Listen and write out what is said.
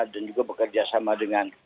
dan juga bekerjasama dengan